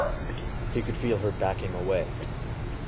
He could feel her backing away.